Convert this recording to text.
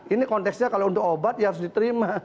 ini konteksnya kalau untuk obat ya harus diterima